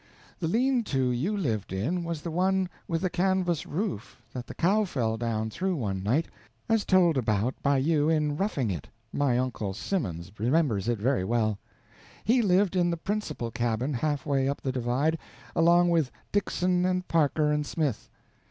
The lean to you lived in was the one with a canvas roof that the cow fell down through one night, as told about by you in Roughing It my uncle Simmons remembers it very well. He lived in the principal cabin, half way up the divide, along with Dixon and Parker and Smith.